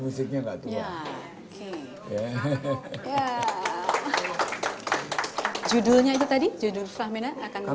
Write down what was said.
judulnya itu tadi judul fahminah akan